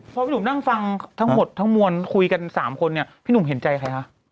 พอพี่หนุ่มนั่งฟังทั้งหมดทั้งมวลคุยกัน๓คนเนี่ยพี่หนุ่มเห็นใจใครคะ